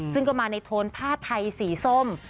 ซึ่งก็มาในโทนผ้าไทยสีส้ม